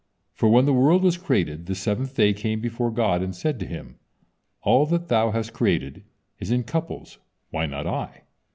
For when the world was created, the seventh day came before God, and said to Him: "All that Thou has created is in couples, why not I?"